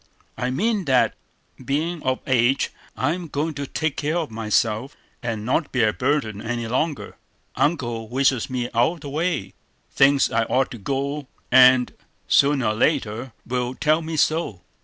"I mean that, being of age, I'm going to take care of myself, and not be a burden any longer. Uncle wishes me out of the way; thinks I ought to go, and, sooner or later, will tell me so.